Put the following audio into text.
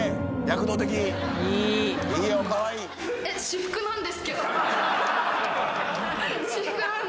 私服なんですけど。